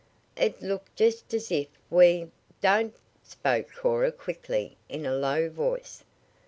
It looked just as if we " "Don't!" spoke Cora quickly in a low voice.